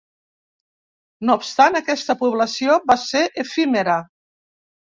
No obstant, aquesta població va ser efímera.